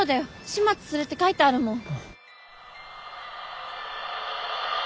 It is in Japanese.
「始末する」って書いてあるもん。